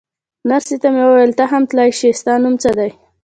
نرسې ته مې وویل: ته هم تلای شې، ستا نوم څه دی؟